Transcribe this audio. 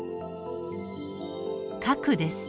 核です。